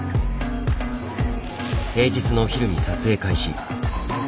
平日のお昼に撮影開始。